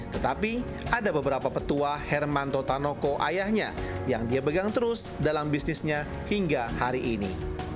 tetapi ada beberapa petua hermanto tanoko ayahnya yang dia pegang terus dalam bisnisnya hingga hari ini